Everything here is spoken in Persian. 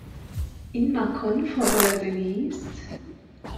این مکان فوق العاده نیست؟